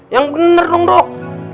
yang bener dong dok